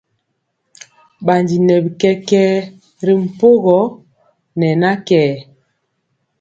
Bandi nɛ bi kɛkɛɛ ri mpogɔ ne na kɛɛr.